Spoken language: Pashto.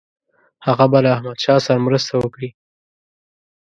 هغه به له احمدشاه سره مرسته وکړي.